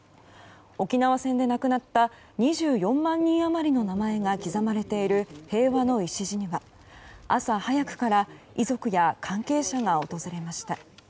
沖縄戦で亡くなった２４万人余りの名前が刻まれている平和の礎には朝早くから遺族や関係者が訪れました。